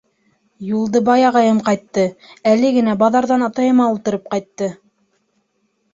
Юлдыбай ағайым ҡайтты, әле генә баҙарҙан атайыма ултырып ҡайтты.